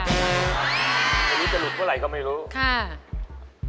ชีวิตจะหลุดเท่าไหร่ก็ไม่รู้